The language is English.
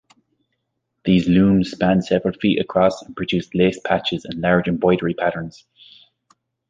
These looms spanned several feet across and produced lace patches and large embroidery patterns.